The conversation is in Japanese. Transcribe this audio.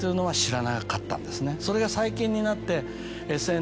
それが最近になって。